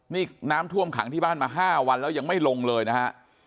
นี่น้ำท่วมขังที่บ้านมา๕วันแล้วยังไม่ลงเลยนะฮะ